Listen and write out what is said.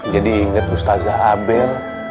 jadi inget ustazah abel